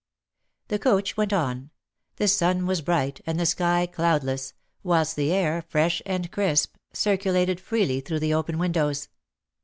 The coach went on. The sun was bright, and the sky cloudless, whilst the air, fresh and crisp, circulated freely through the open windows.